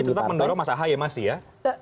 tapi lagi lagi tetap mendorong mas ahaye masih ya